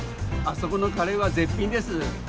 あそこのカレーは絶品です。